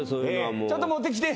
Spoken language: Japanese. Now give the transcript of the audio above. ちょっと持ってきて。